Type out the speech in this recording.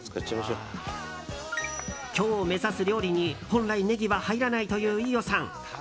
今日、目指す料理に本来ネギは入らないという飯尾さん。